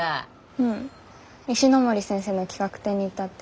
うん石森先生の企画展に行ったって。